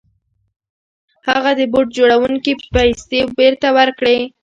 هغه د بوټ جوړوونکي پيسې بېرته ورکړې.